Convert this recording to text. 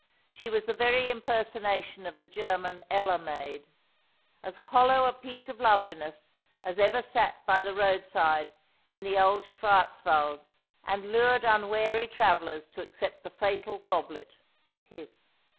She was the very impersonation of the German Elle maid as hollow a piece of loveliness as ever sat by the roadside in the old Schwarzwald, and lured unwary travellers to accept the fatal goblet or kiss.